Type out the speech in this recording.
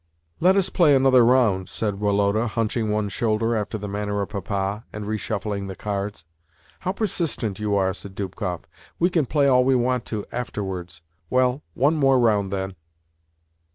"Let us play another round," said Woloda, hunching one shoulder after the manner of Papa, and reshuffling the cards. "How persistent you are!" said Dubkoff. "We can play all we want to afterwards. Well, one more round, then."